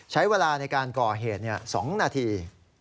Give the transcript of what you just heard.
ใช้เวลาในการก่อเหตุ๒นาที